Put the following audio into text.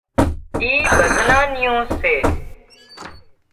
اي ڀزنان نيون سي